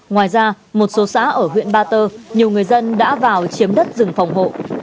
ngoài ra một số xã ở huyện ba tơ nhiều người dân đã vào chiếm đất rừng phòng hộ